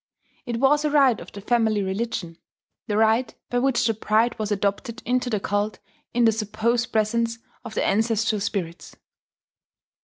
It was a rite of the family religion, the rite by which the bride was adopted into the cult in the supposed presence of the ancestral spirits.